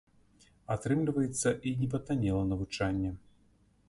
Атрымліваецца і не патаннела навучанне.